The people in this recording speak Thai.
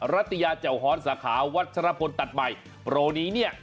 รัตยาแจ่วฮอนสาขาวัชรพลตัดใหม่โปรนี้เนี่ย